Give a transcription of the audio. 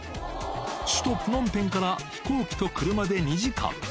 首都プノンペンから飛行機と車で２時間。